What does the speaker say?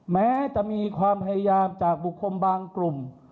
แม้จะมีความพยายามจากบุคคลบางกลุ่ม